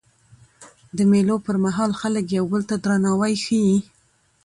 د مېلو پر مهال خلک یو بل ته درناوی ښيي.